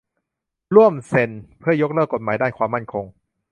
ร่วม "เซ็น" เพื่อยกเลิกกฎหมายด้านความมั่นคง